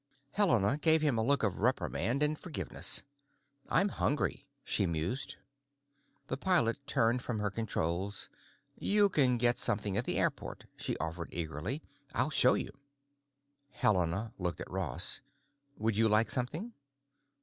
Helena gave him a look of reprimand and forgiveness. "I'm hungry," she mused. The pilot turned from her controls. "You can get something at the airport," she offered eagerly. "I'll show you." Helena looked at Ross. "Would you like something?"